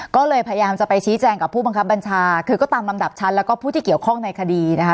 ก็เลยพยายามจะไปชี้แจงกับผู้บังคับบัญชาคือก็ตามลำดับชั้นแล้วก็ผู้ที่เกี่ยวข้องในคดีนะคะ